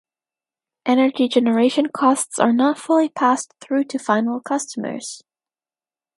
Energy generation costs are not fully passed through to final customers.